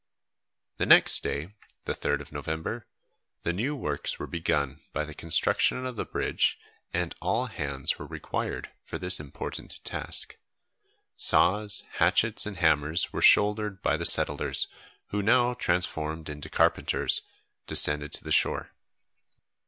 The next day, the 3rd of November, the new works were begun by the construction of the bridge, and all hands were required for this important task. Saws, hatchets, and hammers were shouldered by the settlers, who, now transformed into carpenters, descended to the shore.